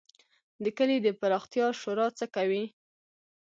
د کلي د پراختیا شورا څه کوي؟